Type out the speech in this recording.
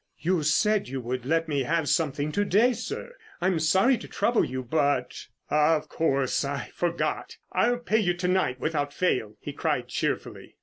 "You said you would let me have something to day, sir. I'm sorry to trouble you, but——" "Of course, I forgot. I'll pay you to night without fail," he cried cheerfully.